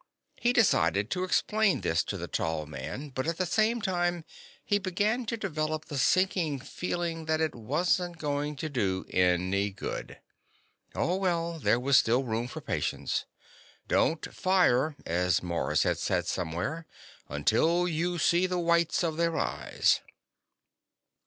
He decided to explain this to the tall man, but at the same time he began to develop the sinking feeling that it wasn't going to do any good. Oh, well, there was still room for patience. "Don't fire," as Mars had said somewhere, "until you see the whites of their eyes."